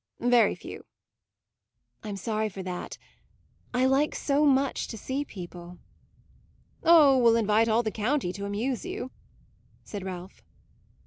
"Very few." "I'm sorry for that; I like so much to see people." "Oh, we'll invite all the county to amuse you," said Ralph.